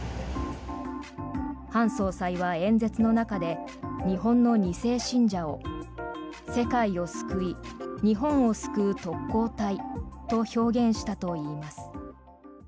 ハン総裁は演説の中で日本の２世信者を世界を救い、日本を救う特攻隊と表現したといいます。